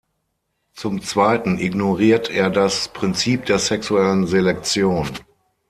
Zum zweiten ignoriert er das Prinzip der sexuellen Selektion.